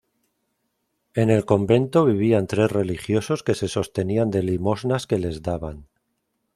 En el convento vivían tres religiosos que se sostenían de limosnas que les daban.